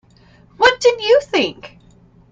What did you think?